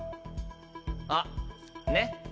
あっねっ